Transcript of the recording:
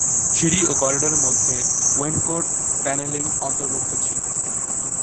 সিঁড়ি এবং করিডোরের মধ্যে ওয়েইনকোট প্যানেলিং অন্তর্ভুক্ত ছিল।